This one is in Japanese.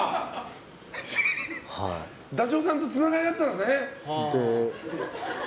ダチョウさんとつながりあったんですね。